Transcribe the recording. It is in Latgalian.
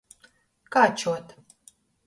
Kāčuot.